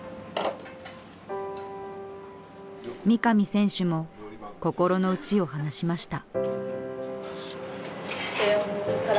三上選手も心の内を話しました。